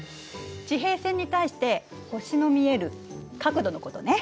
地平線に対して星の見える角度のことね。